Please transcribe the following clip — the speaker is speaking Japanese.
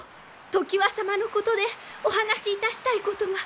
常磐様のことでお話しいたしたいことが。